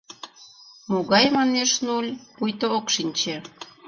— Могай, манеш, нуль, — пуйто ок шинче.